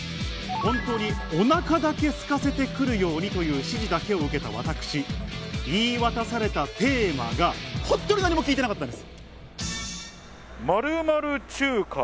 本当におなかだけすかせて来るようにという指示だけを受けて私、言い渡されたテーマ、本当に何も聞いてなかったんです。